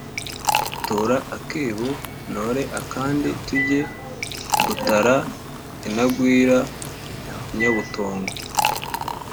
Tora akebo ntore akandi tujye gutara intagwira-Inyabutongo.